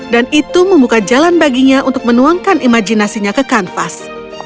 dan itu membuka jalan baginya untuk menuangkan imajinasinya ke kanvas